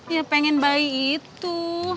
ya pengen bayi itu